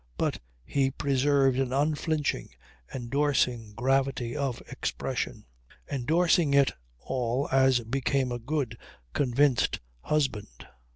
But he preserved an unflinching, endorsing, gravity of expression. Endorsing it all as became a good, convinced husband.